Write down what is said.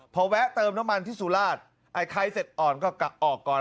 พอแวะเติมน้ำมันที่สุราชไอ้ใครเสร็จอ่อนก็กลับออกก่อน